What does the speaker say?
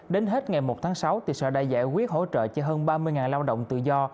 đến hết ngày một tháng sáu sở đã giải quyết hỗ trợ cho hơn ba mươi lao động tự do